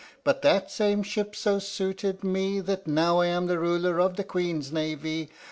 But that same ship so suited me That now I am the Ruler of the Queen's Navee.